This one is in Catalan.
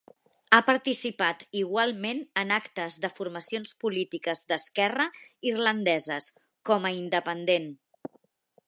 Ha participat igualment en actes de formacions polítiques d'esquerra irlandeses, com a independent.